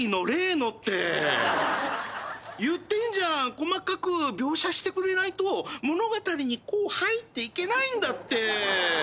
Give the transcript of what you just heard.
細かく描写してくれないと物語にこう入っていけないんだって。